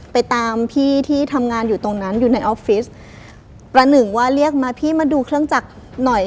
ไปตามพี่ที่ทำงานอยู่ตรงนั้นอยู่ในออฟฟิศประหนึ่งว่าเรียกมาพี่มาดูเครื่องจักรหน่อย